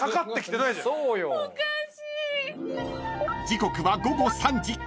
［時刻は午後３時］